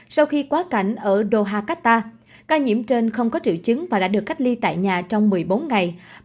sau khi quá cảnh ở doha qatta ca nhiễm trên không có triệu chứng và đã được cách ly tại nhà trong một mươi bốn ngày